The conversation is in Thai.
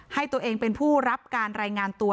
ให้ตัวเองเป็นผู้รับการรายงานตัว